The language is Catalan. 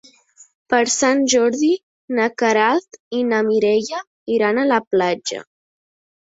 Per Sant Jordi na Queralt i na Mireia iran a la platja.